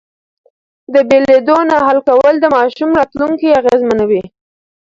د بېلېدو نه حل کول د ماشوم راتلونکی اغېزمنوي.